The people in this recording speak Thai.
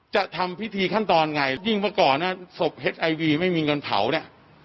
จะทำพิธีขั้นตอนไงยิ่งเมื่อก่อนนะศพเฮ็ดไอวีไม่มีเงินเผาเนี่ย